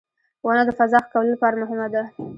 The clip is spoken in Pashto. • ونه د فضا ښه کولو لپاره مهمه ده.